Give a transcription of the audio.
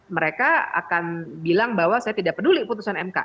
mereka akan bilang bahwa saya tidak peduli putusan mk